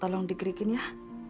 tolong dikerikin ya